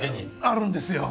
あるんですよ。